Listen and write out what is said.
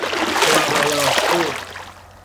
کوالالامپور